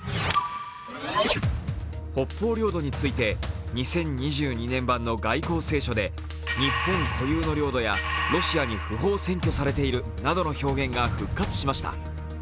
北方領土について２０２２年版の外交青書で日本固有の領土や、ロシアに不法占拠されているなどの表現が復活しました。